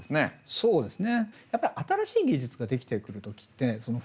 そうですね。